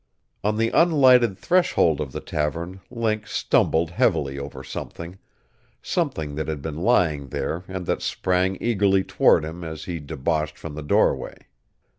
On the unlighted threshold of the tavern Link stumbled heavily over something something that had been lying there and that sprang eagerly toward him as he debouched from the doorway.